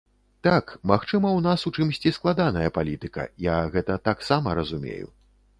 Так, магчыма, у нас у чымсьці складаная палітыка, я гэта таксама разумею.